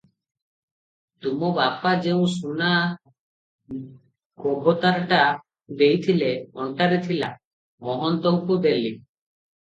ତୁମ ବାପା ଯେଉଁ ସୁନା ଗବତାରଟା ଦେଇଥିଲେ, ଅଣ୍ଟାରେ ଥିଲା, ମହନ୍ତକୁ ଦେଲି ।